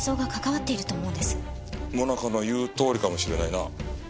萌奈佳の言うとおりかもしれないな。